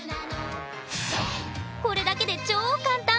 これだけで超簡単！